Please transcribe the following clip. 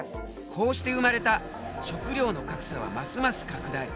こうして生まれた「食料の格差」はますます拡大。